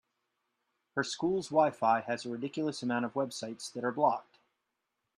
Her school’s WiFi has a ridiculous amount of websites that are blocked.